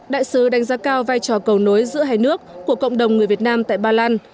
đại sứ đánh giá cao vai trò cầu nối giữa hai nước của cộng đồng người việt nam tại ba lan